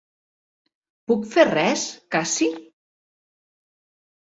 Puc fer res, Cassie?